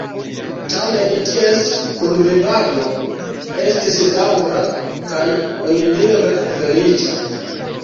Tamen ties kunvivado estis daŭra kaj onidire feliĉa.